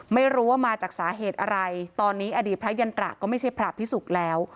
ไม่รู้ว่ามาจากสาเหตุอะไรตอนนี้อดีตพระยันตราก็ไม่ใช่พระพิสุกแล้ว